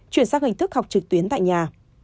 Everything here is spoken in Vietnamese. các hình thức học trực tuyến tại nhà